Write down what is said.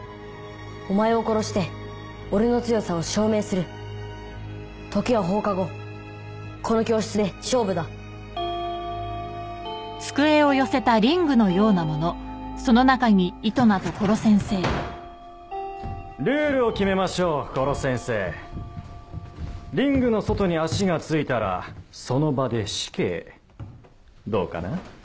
お前を殺して俺の強さを証明する時は放課後この教室で勝負だルールを決めましょう殺せんせーリングの外に足が着いたらその場で死刑どうかな？